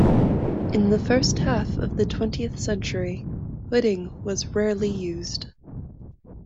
In the first half of the twentieth century, hooding was rarely used.